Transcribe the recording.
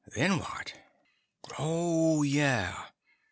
Then what? Oh, yeah.